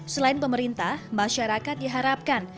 selain pemerintah masyarakat diharapkan